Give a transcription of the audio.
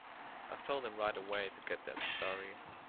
I'll phone them right away to get that story.